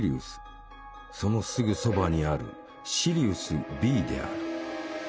そのすぐそばにあるシリウスＢである。